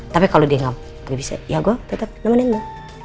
tapi kalo dia gak bisa ya gua tetep nemenin lu